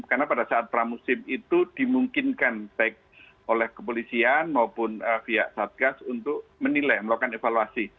karena pada saat pramusim itu dimungkinkan oleh kepolisian maupun via satgas untuk menilai melakukan evaluasi